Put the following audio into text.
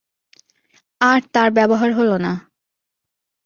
আর তার ব্যবহার হল না।